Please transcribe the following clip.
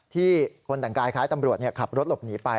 ที่คนแต่งกายคล้ายตำรวจขับรถหลบหนีไป